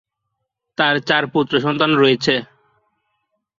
তার চার পুত্র সন্তান রয়েছে।